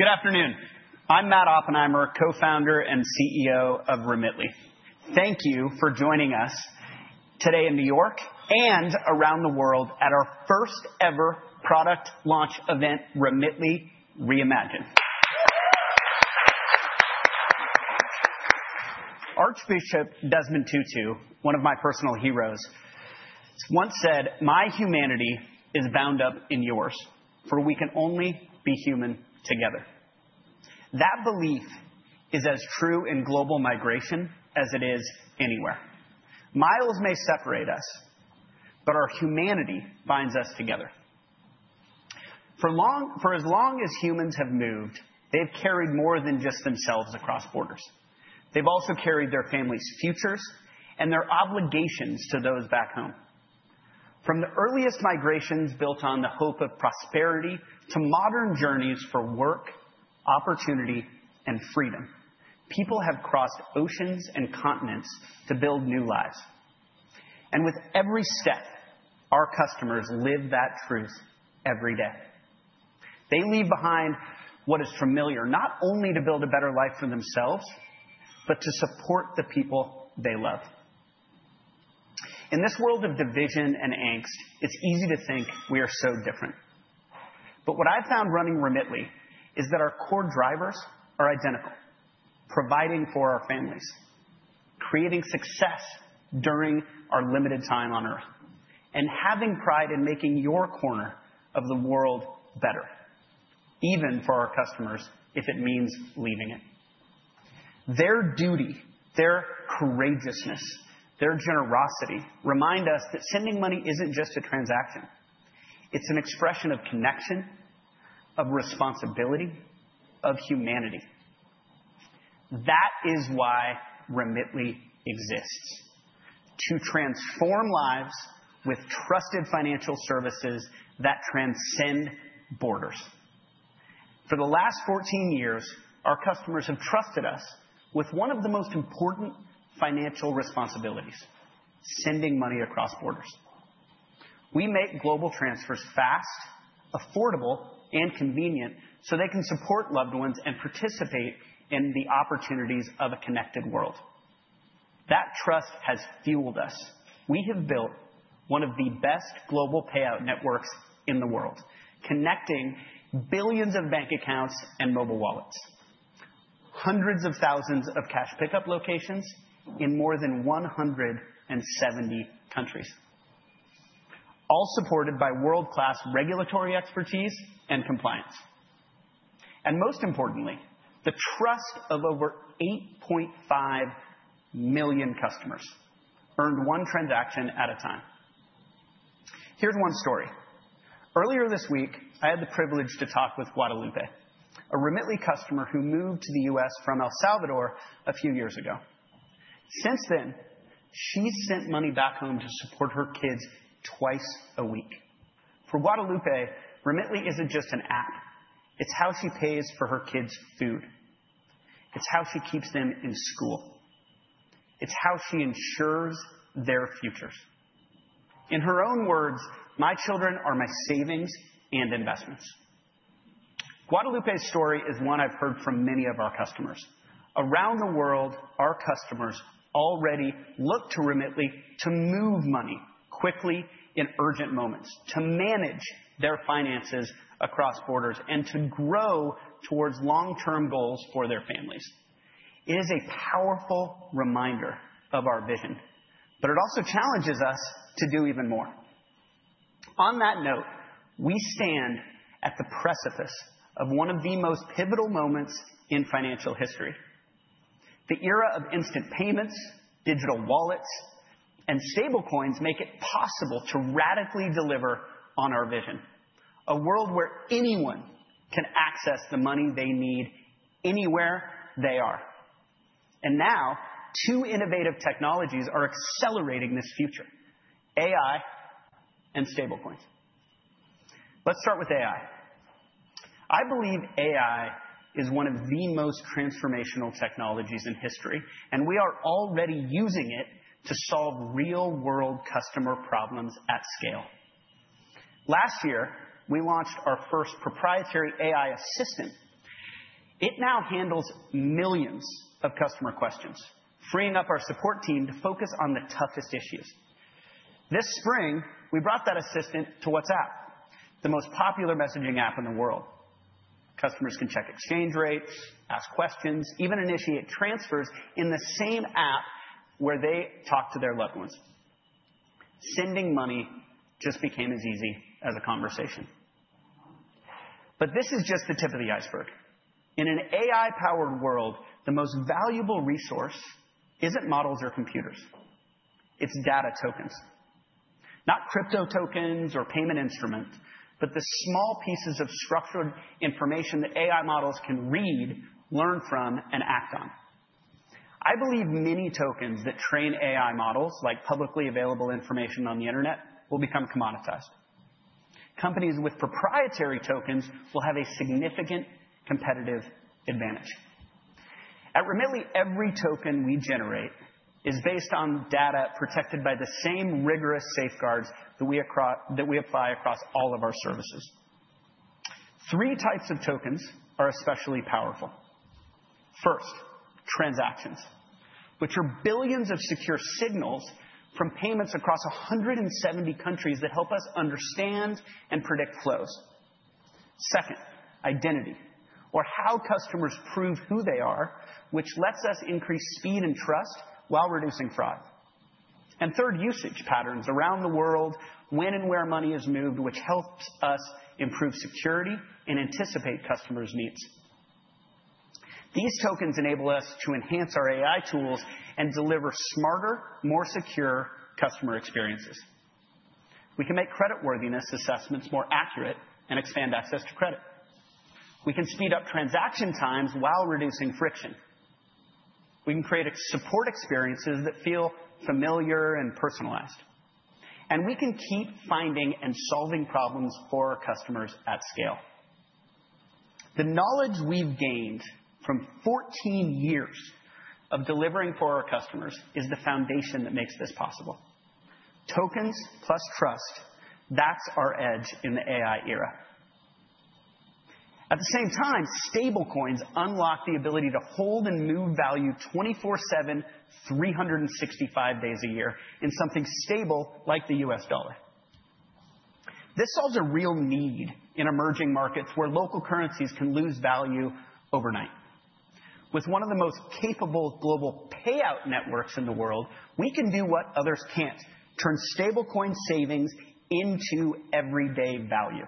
Good afternoon. I'm Matt Oppenheimer, co-founder and CEO of Remitly. Thank you for joining us today in New York and around the world at our first-ever product launch event, Remitly Reimagine. Archbishop Desmond Tutu, one of my personal heroes, once said, "My humanity is bound up in yours, for we can only be human together." That belief is as true in global migration as it is anywhere. Miles may separate us, but our humanity binds us together. For as long as humans have moved, they've carried more than just themselves across borders. They've also carried their families' futures and their obligations to those back home. From the earliest migrations built on the hope of prosperity to modern journeys for work, opportunity, and freedom, people have crossed oceans and continents to build new lives. And with every step, our customers live that truth every day. They leave behind what is familiar not only to build a better life for themselves, but to support the people they love. In this world of division and angst, it's easy to think we are so different. But what I've found running Remitly is that our core drivers are identical: providing for our families, creating success during our limited time on Earth, and having pride in making your corner of the world better, even for our customers if it means leaving it. Their duty, their courageousness, their generosity remind us that sending money isn't just a transaction. It's an expression of connection, of responsibility, of humanity. That is why Remitly exists: to transform lives with trusted financial services that transcend borders. For the last 14 years, our customers have trusted us with one of the most important financial responsibilities: sending money across borders. We make global transfers fast, affordable, and convenient so they can support loved ones and participate in the opportunities of a connected world. That trust has fueled us. We have built one of the best global payout networks in the world, connecting billions of bank accounts and mobile wallets, hundreds of thousands of cash pickup locations in more than 170 countries, all supported by world-class regulatory expertise and compliance, and most importantly, the trust of over 8.5 million customers earned one transaction at a time. Here's one story. Earlier this week, I had the privilege to talk with Guadalupe, a Remitly customer who moved to the U.S. from El Salvador a few years ago. Since then, she's sent money back home to support her kids twice a week. For Guadalupe, Remitly isn't just an app. It's how she pays for her kids' food. It's how she keeps them in school. It's how she ensures their futures. In her own words, "My children are my savings and investments." Guadalupe's story is one I've heard from many of our customers. Around the world, our customers already look to Remitly to move money quickly in urgent moments, to manage their finances across borders, and to grow towards long-term goals for their families. It is a powerful reminder of our vision, but it also challenges us to do even more. On that note, we stand at the precipice of one of the most pivotal moments in financial history. The era of instant payments, digital wallets, and stablecoins makes it possible to radically deliver on our vision: a world where anyone can access the money they need anywhere they are. And now, two innovative technologies are accelerating this future: AI and stablecoins. Let's start with AI. I believe AI is one of the most transformational technologies in history, and we are already using it to solve real-world customer problems at scale. Last year, we launched our first proprietary AI assistant. It now handles millions of customer questions, freeing up our support team to focus on the toughest issues. This spring, we brought that assistant to WhatsApp, the most popular messaging app in the world. Customers can check exchange rates, ask questions, even initiate transfers in the same app where they talk to their loved ones. Sending money just became as easy as a conversation. But this is just the tip of the iceberg. In an AI-powered world, the most valuable resource isn't models or computers. It's data tokens. Not crypto tokens or payment instruments, but the small pieces of structured information that AI models can read, learn from, and act on. I believe many tokens that train AI models, like publicly available information on the internet, will become commoditized. Companies with proprietary tokens will have a significant competitive advantage. At Remitly, every token we generate is based on data protected by the same rigorous safeguards that we apply across all of our services. Three types of tokens are especially powerful. First, transactions, which are billions of secure signals from payments across 170 countries that help us understand and predict flows. Second, identity, or how customers prove who they are, which lets us increase speed and trust while reducing fraud. And third, usage patterns around the world, when and where money is moved, which helps us improve security and anticipate customers' needs. These tokens enable us to enhance our AI tools and deliver smarter, more secure customer experiences. We can make creditworthiness assessments more accurate and expand access to credit. We can speed up transaction times while reducing friction. We can create support experiences that feel familiar and personalized, and we can keep finding and solving problems for our customers at scale. The knowledge we've gained from 14 years of delivering for our customers is the foundation that makes this possible. Tokens plus trust, that's our edge in the AI era. At the same time, stablecoins unlock the ability to hold and move value 24/7, 365 days a year in something stable like the U.S. dollar. This solves a real need in emerging markets where local currencies can lose value overnight. With one of the most capable global payout networks in the world, we can do what others can't: turn stablecoin savings into everyday value.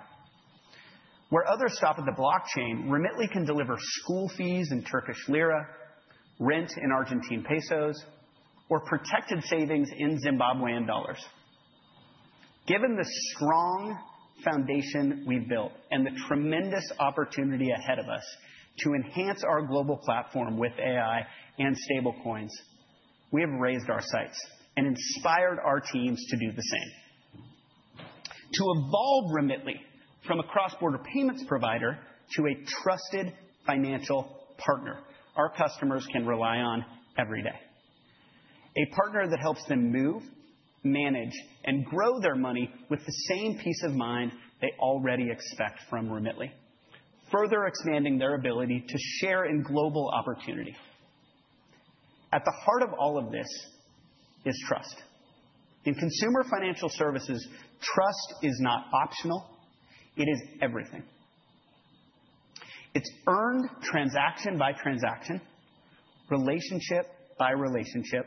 Where others stop at the blockchain, Remitly can deliver school fees in Turkish lira, rent in Argentine pesos, or protected savings in Zimbabwean dollars. Given the strong foundation we've built and the tremendous opportunity ahead of us to enhance our global platform with AI and stablecoins, we have raised our sights and inspired our teams to do the same. To evolve Remitly from a cross-border payments provider to a trusted financial partner our customers can rely on every day. A partner that helps them move, manage, and grow their money with the same peace of mind they already expect from Remitly, further expanding their ability to share in global opportunity. At the heart of all of this is trust. In consumer financial services, trust is not optional. It is everything. It's earned transaction by transaction, relationship by relationship.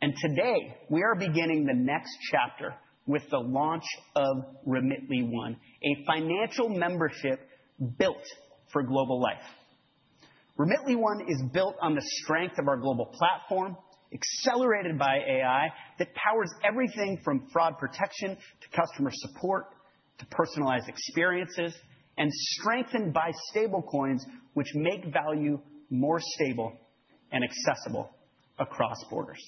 And today, we are beginning the next chapter with the launch of Remitly One, a financial membership built for global life. Remitly One is built on the strength of our global platform, accelerated by AI that powers everything from fraud protection to customer support to personalized experiences, and strengthened by stablecoins, which make value more stable and accessible across borders.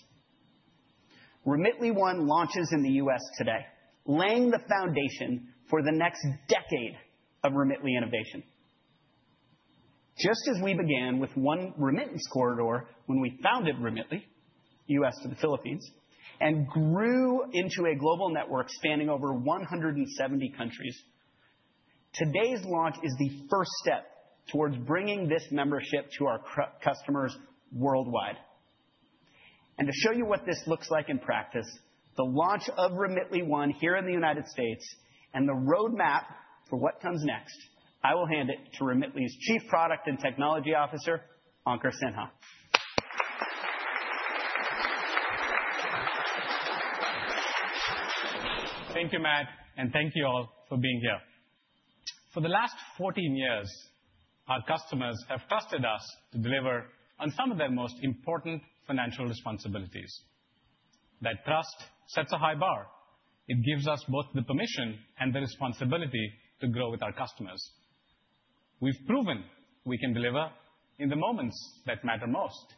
Remitly One launches in the U.S. today, laying the foundation for the next decade of Remitly innovation. Just as we began with one remittance corridor when we founded Remitly, U.S. to the Philippines, and grew into a global network spanning over 170 countries, today's launch is the first step towards bringing this membership to our customers worldwide, and to show you what this looks like in practice, the launch of Remitly One here in the United States and the roadmap for what comes next, I will hand it to Remitly's Chief Product and Technology Officer, Ankur Sinha. Thank you, Matt, and thank you all for being here. For the last 14 years, our customers have trusted us to deliver on some of their most important financial responsibilities. That trust sets a high bar. It gives us both the permission and the responsibility to grow with our customers. We've proven we can deliver in the moments that matter most,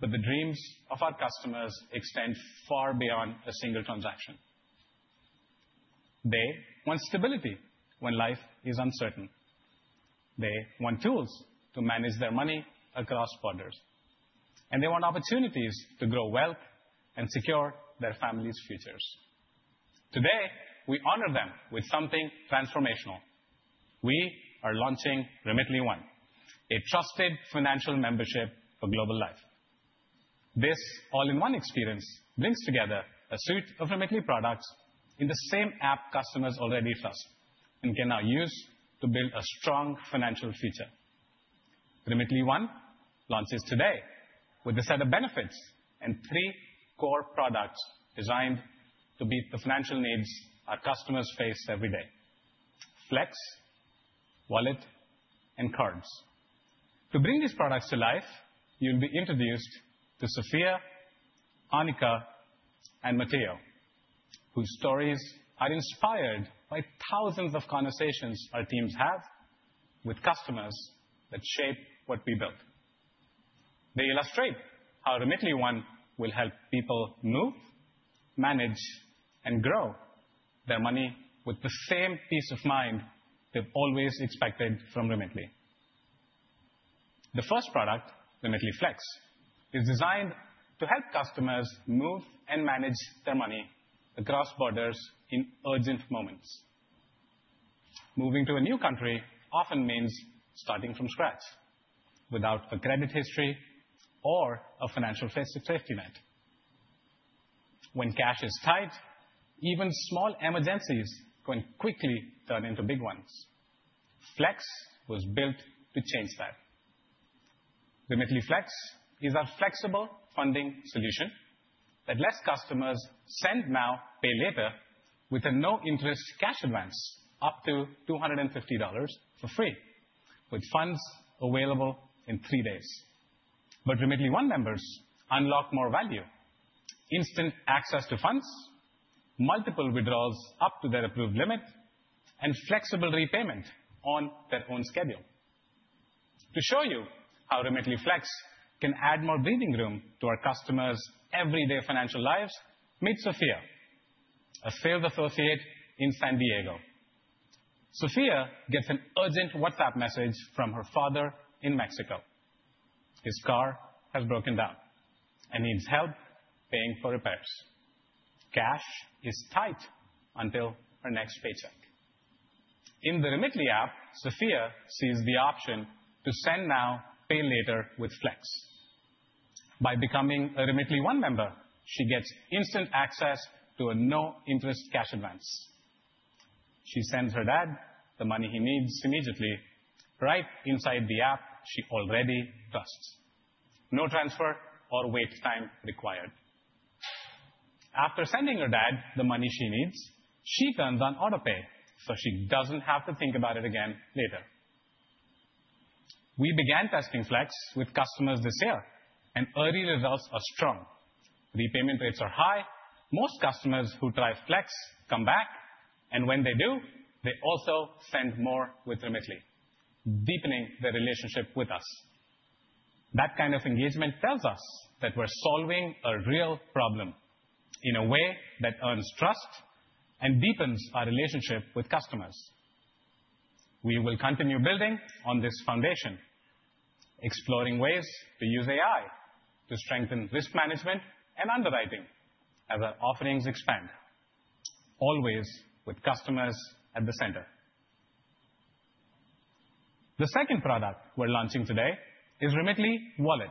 but the dreams of our customers extend far beyond a single transaction. They want stability when life is uncertain. They want tools to manage their money across borders. And they want opportunities to grow wealth and secure their family's futures. Today, we honor them with something transformational. We are launching Remitly One, a trusted financial membership for global life. This all-in-one experience brings together a suite of Remitly products in the same app customers already trust and can now use to build a strong financial future. Remitly One launches today with a set of benefits and three core products designed to meet the financial needs our customers face every day: Flex, Wallet, and Cards. To bring these products to life, you'll be introduced to Sophia, Anika, and Mateo, whose stories are inspired by thousands of conversations our teams have with customers that shape what we built. They illustrate how Remitly One will help people move, manage, and grow their money with the same peace of mind they've always expected from Remitly. The first product, Remitly Flex, is designed to help customers move and manage their money across borders in urgent moments. Moving to a new country often means starting from scratch without a credit history or a financial safety net. When cash is tight, even small emergencies can quickly turn into big ones. Flex was built to change that. Remitly Flex is our flexible funding solution that lets customers send now, pay later with a no-interest cash advance up to $250 for free, with funds available in three days, but Remitly One members unlock more value: instant access to funds, multiple withdrawals up to their approved limit, and flexible repayment on their own schedule. To show you how Remitly Flex can add more breathing room to our customers' everyday financial lives, meet Sophia, a sales associate in San Diego. Sophia gets an urgent WhatsApp message from her father in Mexico. His car has broken down and needs help paying for repairs. Cash is tight until her next paycheck. In the Remitly app, Sophia sees the option to send now, pay later with Flex. By becoming a Remitly One member, she gets instant access to a no-interest cash advance. She sends her dad the money he needs immediately, right inside the app she already trusts. No transfer or wait time required. After sending her dad the money he needs, she turns on autopay so she doesn't have to think about it again later. We began testing Flex with customers this year, and early results are strong. Repayment rates are high. Most customers who try Flex come back, and when they do, they also send more with Remitly, deepening their relationship with us. That kind of engagement tells us that we're solving a real problem in a way that earns trust and deepens our relationship with customers. We will continue building on this foundation, exploring ways to use AI to strengthen risk management and underwriting as our offerings expand, always with customers at the center. The second product we're launching today is Remitly Wallet,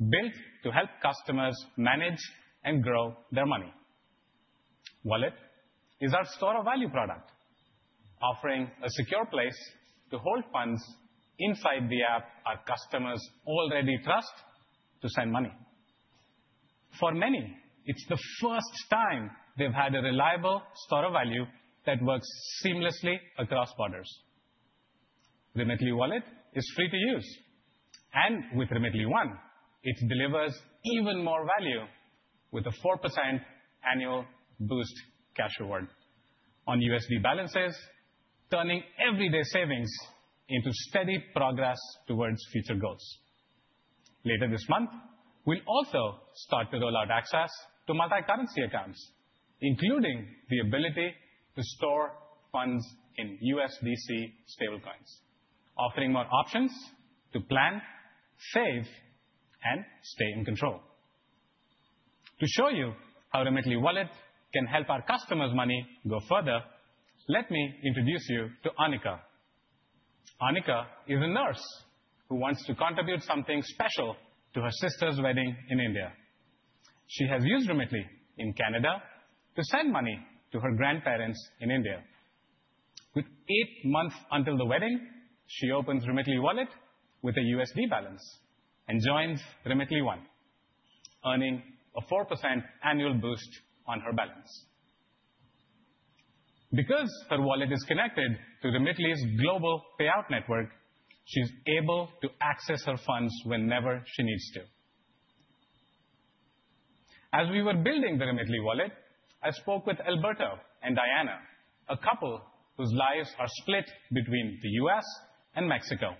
built to help customers manage and grow their money. Wallet is our store of value product, offering a secure place to hold funds inside the app our customers already trust to send money. For many, it's the first time they've had a reliable store of value that works seamlessly across borders. Remitly Wallet is free to use. And with Remitly One, it delivers even more value with a 4% annual boost cash reward on USD balances, turning everyday savings into steady progress towards future goals. Later this month, we'll also start to roll out access to multi-currency accounts, including the ability to store funds in USDC stablecoins, offering more options to plan, save, and stay in control. To show you how Remitly Wallet can help our customers' money go further, let me introduce you to Anika. Anika is a nurse who wants to contribute something special to her sister's wedding in India. She has used Remitly in Canada to send money to her grandparents in India. With eight months until the wedding, she opens Remitly Wallet with a USD balance and joins Remitly One, earning a 4% annual boost on her balance. Because her wallet is connected to Remitly's global payout network, she's able to access her funds whenever she needs to. As we were building the Remitly Wallet, I spoke with Alberto and Diana, a couple whose lives are split between the U.S. and Mexico.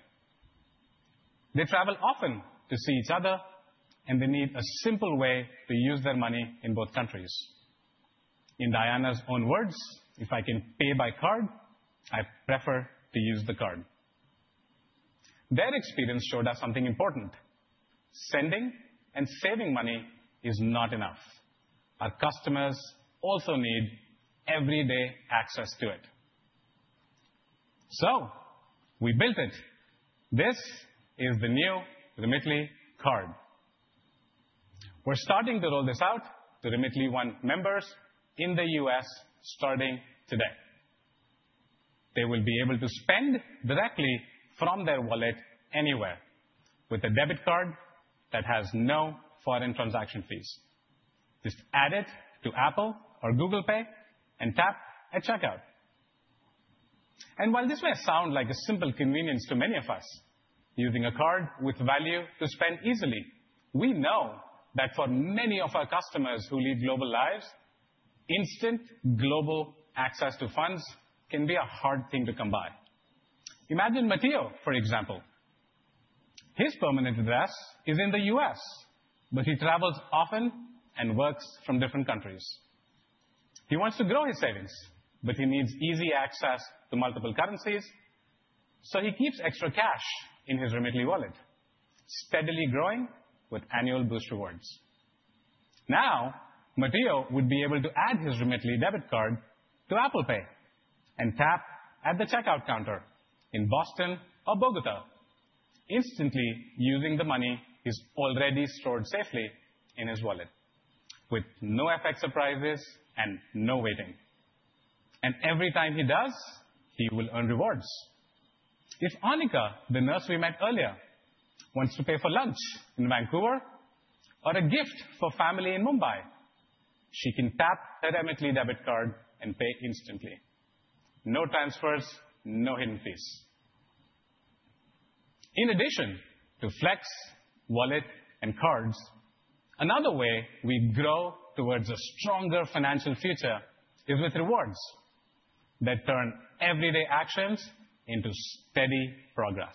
They travel often to see each other, and they need a simple way to use their money in both countries. In Diana's own words, "If I can pay by card, I prefer to use the card." Their experience showed us something important: sending and saving money is not enough. Our customers also need everyday access to it. So we built it. This is the new Remitly Card. We're starting to roll this out to Remitly One members in the U.S. starting today. They will be able to spend directly from their wallet anywhere with a debit card that has no foreign transaction fees. Just add it to Apple Pay or Google Pay and tap at checkout, and while this may sound like a simple convenience to many of us, using a card with value to spend easily, we know that for many of our customers who lead global lives, instant global access to funds can be a hard thing to come by. Imagine Mateo, for example. His permanent address is in the U.S., but he travels often and works from different countries. He wants to grow his savings, but he needs easy access to multiple currencies, so he keeps extra cash in his Remitly Wallet, steadily growing with annual boost rewards. Now, Mateo would be able to add his Remitly debit card to Apple Pay and tap at the checkout counter in Boston or Bogotá, instantly using the money he's already stored safely in his wallet, with no FX surprises and no waiting, and every time he does, he will earn rewards. If Anika, the nurse we met earlier, wants to pay for lunch in Vancouver or a gift for family in Mumbai, she can tap her Remitly debit card and pay instantly. No transfers, no hidden fees. In addition to Flex, Wallet, and Cards, another way we grow towards a stronger financial future is with rewards that turn everyday actions into steady progress.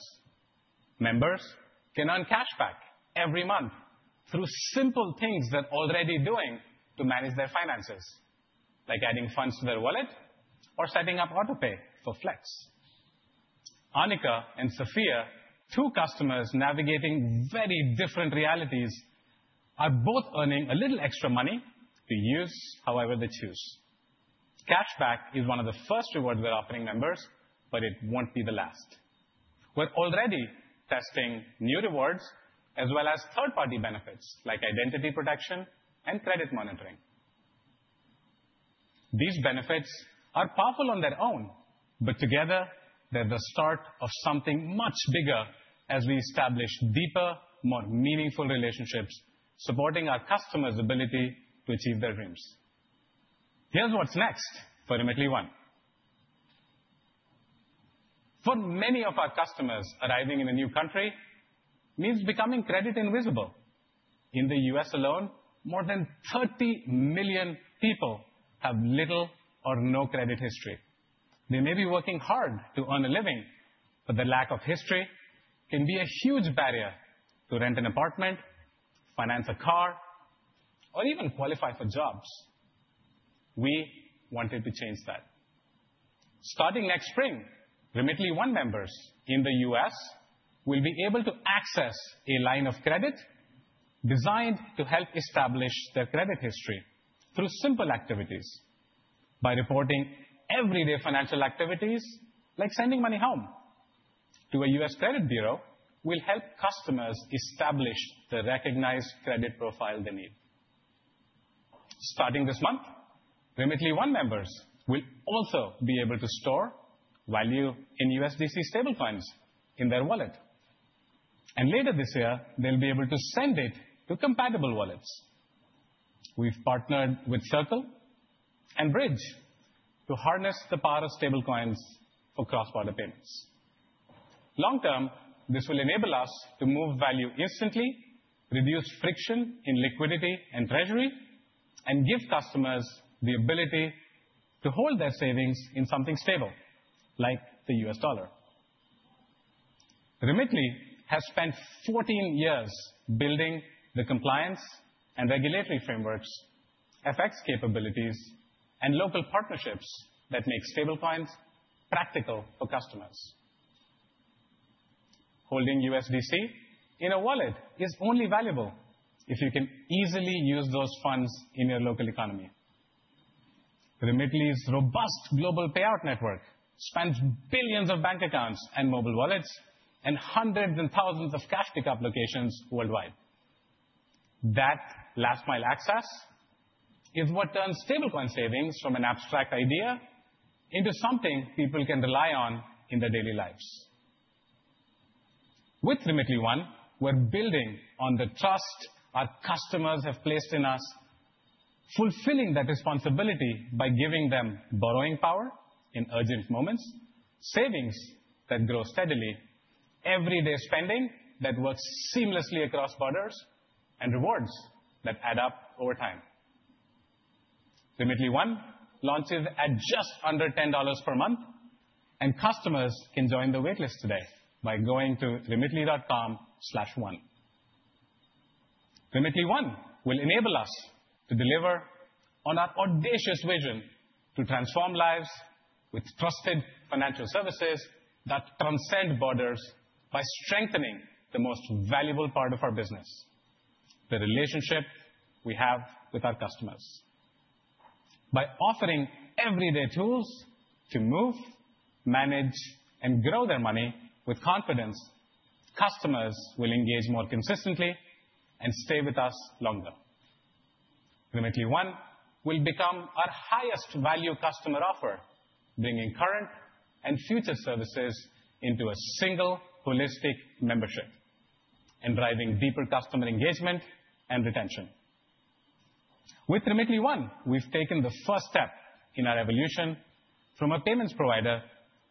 Members can earn cash back every month through simple things they're already doing to manage their finances, like adding funds to their wallet or setting up autopay for Flex. Anika and Sophia, two customers navigating very different realities, are both earning a little extra money to use however they choose. Cash back is one of the first rewards we're offering members, but it won't be the last. We're already testing new rewards as well as third-party benefits like identity protection and credit monitoring. These benefits are powerful on their own, but together, they're the start of something much bigger as we establish deeper, more meaningful relationships supporting our customers' ability to achieve their dreams. Here's what's next for Remitly One. For many of our customers, arriving in a new country means becoming credit-invisible. In the U.S. alone, more than 30 million people have little or no credit history. They may be working hard to earn a living, but the lack of history can be a huge barrier to rent an apartment, finance a car, or even qualify for jobs. We wanted to change that. Starting next spring, Remitly One members in the U.S. will be able to access a line of credit designed to help establish their credit history through simple activities. By reporting everyday financial activities, like sending money home to a U.S. credit bureau, we'll help customers establish the recognized credit profile they need. Starting this month, Remitly One members will also be able to store value in USDC stablecoins in their wallet, and later this year, they'll be able to send it to compatible wallets. We've partnered with Circle and Bridge to harness the power of stablecoins for cross-border payments. Long-term, this will enable us to move value instantly, reduce friction in liquidity and treasury, and give customers the ability to hold their savings in something stable, like the U.S. dollar. Remitly has spent 14 years building the compliance and regulatory frameworks, FX capabilities, and local partnerships that make stablecoins practical for customers. Holding USDC in a wallet is only valuable if you can easily use those funds in your local economy. Remitly's robust global payout network spans billions of bank accounts and mobile wallets and hundreds and thousands of cash pickup locations worldwide. That last-mile access is what turns stablecoin savings from an abstract idea into something people can rely on in their daily lives. With Remitly One, we're building on the trust our customers have placed in us, fulfilling that responsibility by giving them borrowing power in urgent moments, savings that grow steadily, everyday spending that works seamlessly across borders, and rewards that add up over time. Remitly One launches at just under $10 per month, and customers can join the waitlist today by going to remitly.com/one. Remitly One will enable us to deliver on our audacious vision to transform lives with trusted financial services that transcend borders by strengthening the most valuable part of our business: the relationship we have with our customers. By offering everyday tools to move, manage, and grow their money with confidence, customers will engage more consistently and stay with us longer. Remitly One will become our highest-value customer offer, bringing current and future services into a single holistic membership and driving deeper customer engagement and retention. With Remitly One, we've taken the first step in our evolution from a payments provider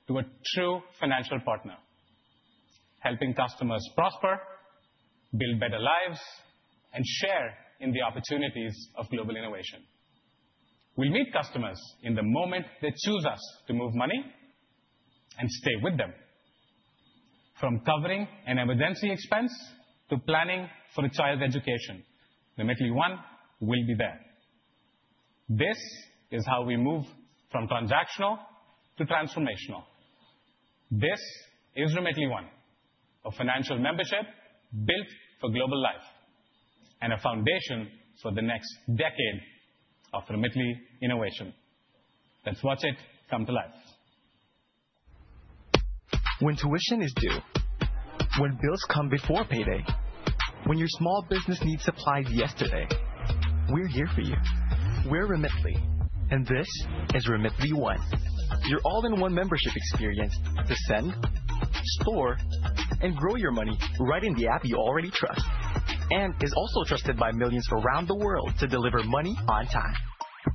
to a true financial partner, helping customers prosper, build better lives, and share in the opportunities of global innovation. We'll meet customers in the moment they choose us to move money and stay with them. From covering an emergency expense to planning for a child's education, Remitly One will be there. This is how we move from transactional to transformational. This is Remitly One, a financial membership built for global life and a foundation for the next decade of Remitly innovation. Let's watch it come to life. When tuition is due, when bills come before payday, when your small business needs supplies yesterday, we're here for you. We're Remitly, and this is Remitly One. Your all-in-one membership experience to send, store, and grow your money right in the app you already trust and is also trusted by millions around the world to deliver money on time.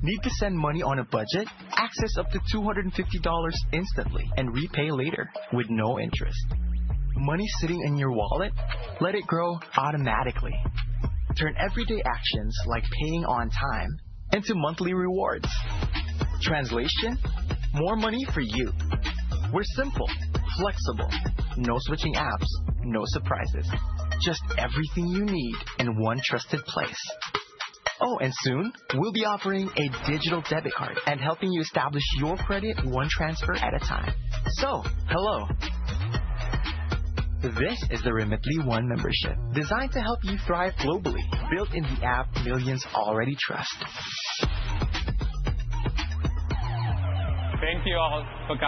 Need to send money on a budget? Access up to $250 instantly and repay later with no interest. Money sitting in your wallet? Let it grow automatically. Turn everyday actions like paying on time into monthly rewards. Translation? More money for you. We're simple, flexible, no switching apps, no surprises, just everything you need in one trusted place. Oh, and soon, we'll be offering a digital debit card and helping you establish your credit one transfer at a time. So, hello. This is the Remitly One membership designed to help you thrive globally, built in the app millions already trust. Thank you all for.